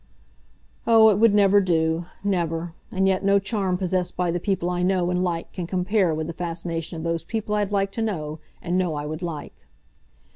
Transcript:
Oh, it would never do. Never. And yet no charm possessed by the people I know and like can compare with the fascination of those People I'd Like to Know, and Know I Would Like.